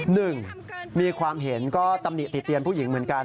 หนึ่งมีความเห็นก็ตำหนิติเตียนผู้หญิงเหมือนกัน